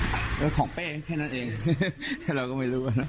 แล้วของเป้แค่นั้นเองเราก็ไม่รู้นะครับ